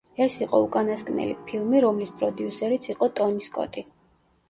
ეს იყო უკანასკნელი ფილმი, რომლის პროდიუსერიც იყო ტონი სკოტი.